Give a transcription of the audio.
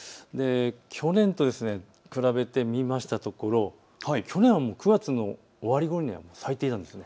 去年と比べてみたところ、去年は９月の終わりごろには咲いていたんです。